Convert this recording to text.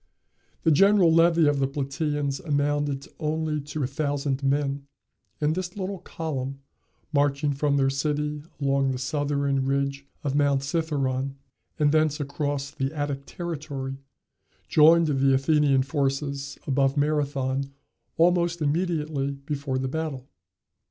The general levy of the Platæans amounted only to a thousand men; and this little column, marching from their city along the southern ridge of Mount Cithæron, and thence across the Attic territory, joined the Athenian forces above Marathon almost immediately before the battle.